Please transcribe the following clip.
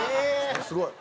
すごい。